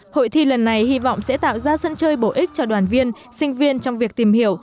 hội thi lần này hy vọng sẽ tạo ra sân chơi bổ ích cho đoàn viên sinh viên trong việc tìm hiểu